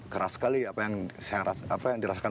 keras sekali apa yang dirasakan